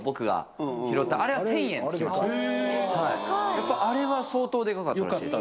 やっぱあれは蠹でかかったらしいです。